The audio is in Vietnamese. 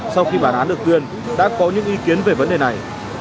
sau khi bản án được tuyên đã có những ý kiến về vấn đề này